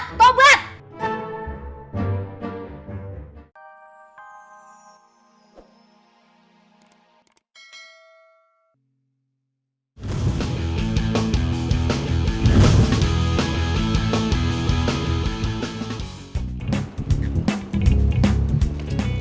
tidak ada yang bisa dihukum